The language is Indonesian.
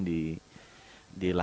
kita lihat di sini